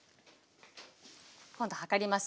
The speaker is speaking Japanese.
今度量ります。